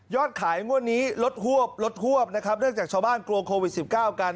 ขายงวดนี้ลดหวบลดฮวบนะครับเนื่องจากชาวบ้านกลัวโควิด๑๙กัน